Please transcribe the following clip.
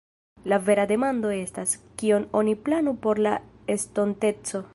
La vera demando estas, kion oni planu por la estonteco.